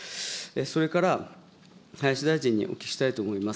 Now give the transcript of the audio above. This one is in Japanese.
それから林大臣にお聞きしたいと思います。